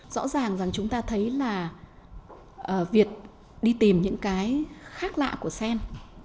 rõ ràng rằng chúng ta thấy là việt đi tìm những cái khác lạ của sen